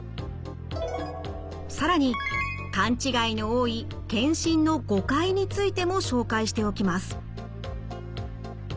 更に勘違いの多い検診の誤解についても紹介しておきます。